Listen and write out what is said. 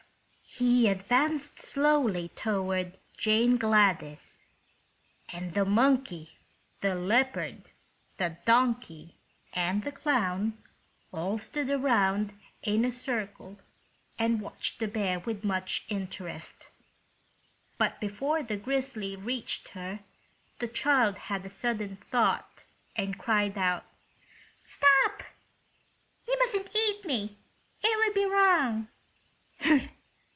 He advanced slowly toward Jane Gladys, and the monkey, the leopard, the donkey and the clown all stood around in a circle and watched the bear with much interest. But before the grizzly reached her the child had a sudden thought, and cried out: "Stop! You mustn't eat me. It would be wrong."